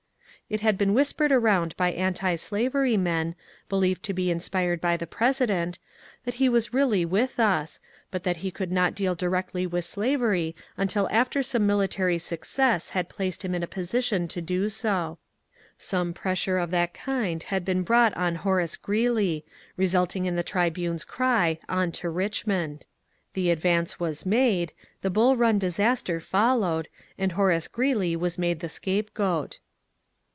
It had been whispered around by antislavery men, believed to be inspired by the President, that he was really with us, but that he could not deal directly with slavery until after some military success had placed him in a position to do so. 336 MONCURE DANIEL CONWAY Some pressure of that kind had been brought on Horace Greeley, resulting in the "Tribune's" cry, "On to Rich mond I " The advance was made, the Bull Run disaster fol lowed, and Horace Greeley was made the scapegoat.